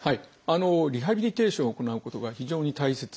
リハビリテーションを行うことが非常に大切です。